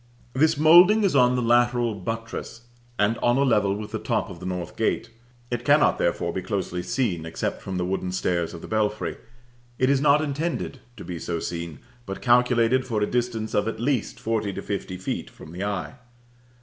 This moulding is on the lateral buttress, and on a level with the top of the north gate; it cannot therefore be closely seen except from the wooden stairs of the belfry; it is not intended to be so seen, but calculated for a distance of, at least, forty to fifty feet from the eye.